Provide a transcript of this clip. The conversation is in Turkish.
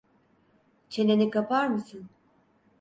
Çeneni kapar mısın?